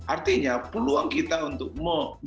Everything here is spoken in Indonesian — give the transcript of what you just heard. artinya perluan kita untuk memenuhi